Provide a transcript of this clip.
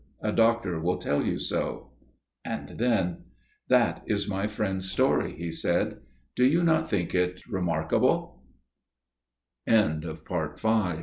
A doctor will tell you so." And then: "That is my friend's story," he said, "Do you not think it remark